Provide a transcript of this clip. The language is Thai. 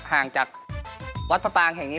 ห่างจากวัดพระปางแห่งนี้